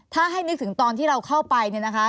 ถ้าให้นึกถึงตอนที่เราเข้าไปเนี่ยนะคะ